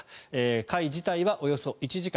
会自体はおよそ１時間。